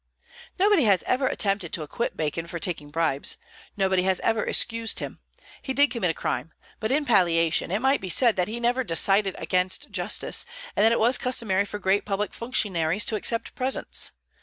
Nobody has ever attempted to acquit Bacon for taking bribes. Nobody has ever excused him. He did commit a crime; but in palliation it might be said that he never decided against justice, and that it was customary for great public functionaries to accept presents.